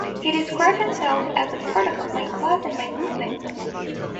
He described himself as "a product of my class and my movement".